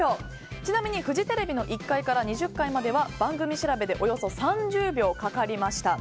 ちなみにフジテレビの１階から２０階までは番組調べでおよそ３０秒かかりました。